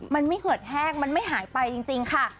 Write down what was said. มันไม่เหิดแห้งมันไม่หายไปจริงค่ะ